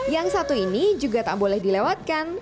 yang satu ini juga tak boleh dilewatkan